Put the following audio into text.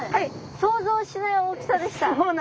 想像しない大きさでした！